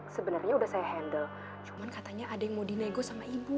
sebenarnya udah saya handle cuman katanya ada yang mau dinego sama ibu